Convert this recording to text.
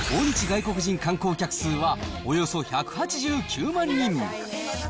５月の訪日外国人観光客数はおよそ１８９万人。